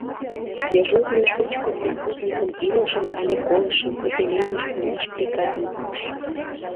Дежурный шучко преступникым илышым але колышым отделенийыш кондаш приказым пуыш.